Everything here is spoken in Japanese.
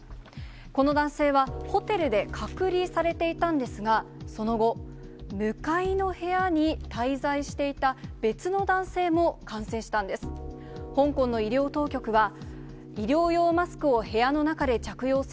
この男性はホテルで隔離されていたんですが、その後、向かいの部屋に滞在していた別の男性も感染したんです。